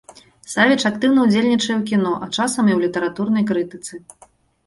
Савіч актыўна ўдзельнічае ў кіно, а часам і ў літаратурнай крытыцы.